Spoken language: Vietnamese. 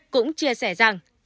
cũng chia sẻ rằng